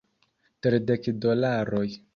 Tridek dolaroj